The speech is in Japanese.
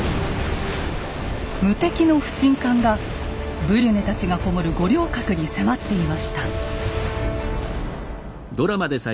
無敵の不沈艦がブリュネたちが籠もる五稜郭に迫っていました。